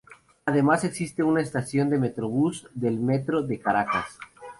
Además existe una estación de Metrobús del Metro de Caracas.